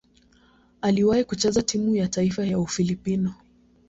Aliwahi kucheza timu ya taifa ya Ufilipino.